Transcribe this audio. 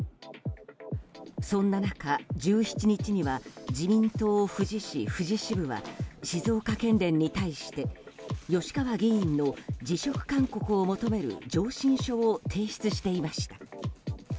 そんな中、１７日には自民党富士市富士支部は静岡県連に対して吉川議員の辞職勧告を求める上申書を提出していました。